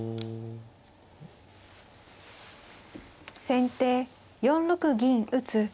先手４六銀打。